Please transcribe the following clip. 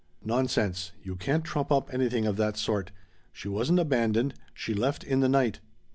"Nonsense! You can't trump up anything of that sort. She wasn't 'abandoned.' She left in the night."